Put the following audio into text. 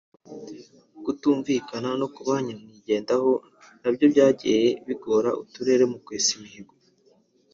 kutumvikana no kuba ba nyamwigendaho nabyo byagiye bigora uturere mu kwesa imihigo